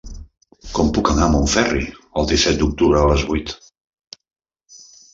Com puc anar a Montferri el disset d'octubre a les vuit?